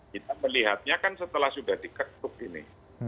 kita melihatnya kan setelah sudah diketuk ini